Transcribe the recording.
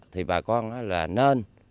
thì bà con là nên